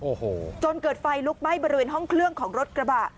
โอ้โหจนเกิดไฟลุกไหม้บริเวณห้องเครื่องของรถกระบะ